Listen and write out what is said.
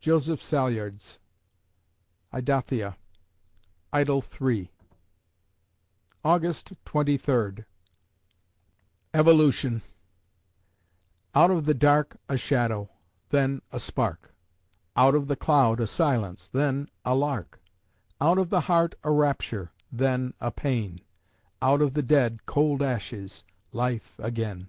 JOSEPH SALYARDS (Idothea; Idyll III) August Twenty Third EVOLUTION Out of the dark a shadow, Then, a spark; Out of the cloud a silence, Then, a lark; Out of the heart a rapture, Then, a pain; Out of the dead, cold ashes, Life again.